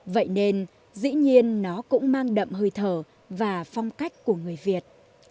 vậy nên dĩ nhiên nó cũng mang đậm hơi thở và phong cách của người việt